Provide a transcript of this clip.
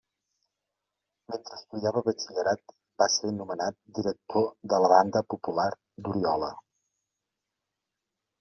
Mentre estudiava batxillerat va ser nomenat director de la Banda Popular d'Oriola.